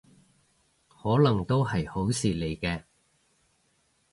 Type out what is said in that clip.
可能都係好事嚟嘅